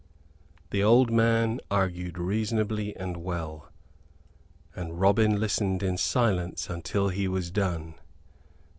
The old man argued reasonably and well; and Robin listened in silence until he was done.